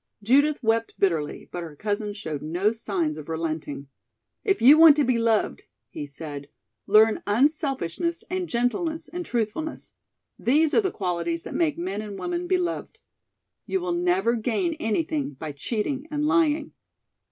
Judith wept bitterly, but her cousin showed no signs of relenting. "If you want to be loved," he said, "learn unselfishness and gentleness and truthfulness. These are the qualities that make men and women beloved. You will never gain anything by cheating and lying."